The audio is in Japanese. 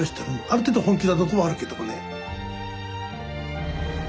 ある程度本気なとこはあるけどもね。